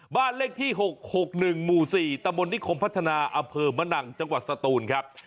บ้านเลขที่๖๖๑หมู่๔ตะบนนิคมพัฒนาอำเภอมะนังจังหวัดสตูนครับ